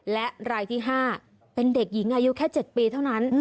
และรายที่๕เป็นเด็กหญิงอายุแค่๗ปีเท่านั้น